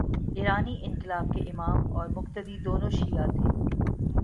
ایرانی انقلاب کے امام اور مقتدی، دونوں شیعہ تھے۔